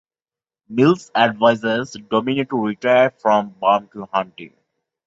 Mills advises Domino to retire from bounty hunting.